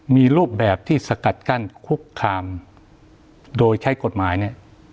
มีรูปแบบที่สกัดกั้นคุกคามโดยใช้กฎหมายเนี่ย